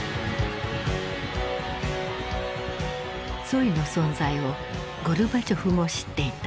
ツォイの存在をゴルバチョフも知っていた。